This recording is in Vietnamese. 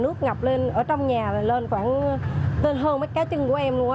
nước ngập lên ở trong nhà là lên khoảng lên hơn mấy cái chân của em luôn đó